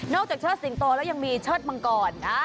จากเชิดสิงโตแล้วยังมีเชิดมังกร